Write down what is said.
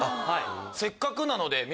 せっかくなので。